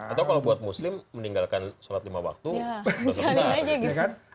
atau kalau buat muslim meninggalkan sholat lima waktu sudah selesai